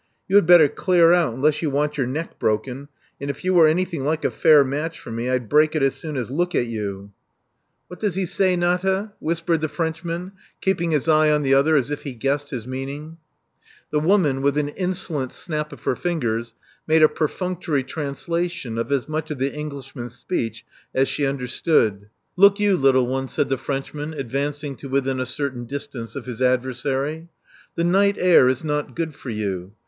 You had better clear out unless you want your neck broken — and if you were anything like a fair match for me, I'd break it as soon as look at you." 343 ^ 344 Love Among the Artists What does he say, Nata? whispered the French man, keeping his eye on the other as if he guessed his meaning. The woman, with an insolent snap of her fingers, made a perfunctory translation of as much of the Englishman's speeclj as she tmderstood. *'Look you, little one. said the Frenchman, advancing to within a certain distance of his adversary, the night air is not good for you.